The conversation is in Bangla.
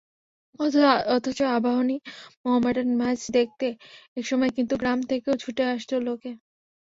অথচ আবাহনী-মোহামেডান ম্যাচ দেখতে একসময় কিন্তু গ্রাম থেকেও ছুটে আসত লোকে।